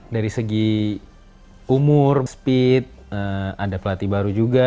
dari segi umur speed ada pelatih baru juga